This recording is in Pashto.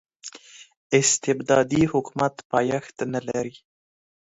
استبدادي حکومت پایښت نلري.